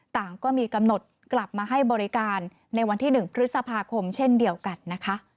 ต่างก็มีกำหนดกลับมาให้บริการในวันที่๑พฤษภาคมเช่นเดียวกันนะคะ